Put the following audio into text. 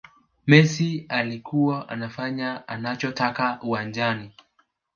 messi alikuwa anafanya anachotaka uwanjani